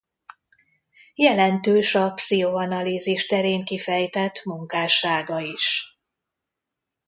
Jelentős a pszichoanalízis terén kifejtett munkássága is.